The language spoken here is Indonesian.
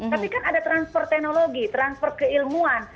tapi kan ada transfer teknologi transfer keilmuan